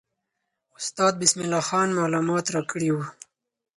استاد بسم الله خان معلومات راکړي وو.